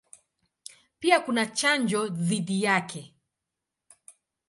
Pia kuna chanjo dhidi yake.